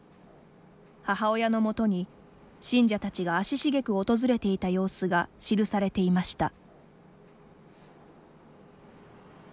母親のもとに、信者たちが足しげく訪れていた様子が記されていました。